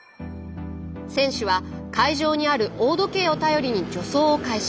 選手は会場にある大時計を頼りに助走を開始。